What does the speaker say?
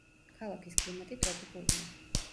ქალაქის კლიმატი ტროპიკულია.